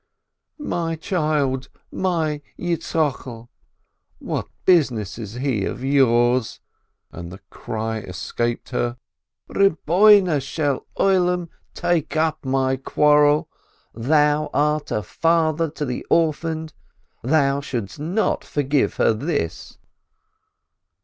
"My child, my Yitzchokel, what business is he of yours ?" and the cry escaped her : "Lord of the World, take up my quarrel, Thou art a Father to the orphaned, Thou shouldst not forgive her this!"